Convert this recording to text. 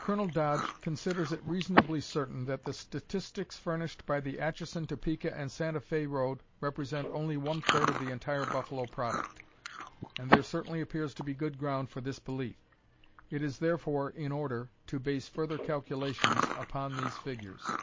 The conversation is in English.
Colonel Dodge considers it reasonably certain that the statistics furnished by the Atchison, Topeka and Santa Fé road represent only one third of the entire buffalo product, and there certainly appears to be good ground for this belief. It is therefore in order to base further calculations upon these figures.